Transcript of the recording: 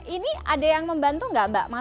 ini ada yang membantu gak mbak masak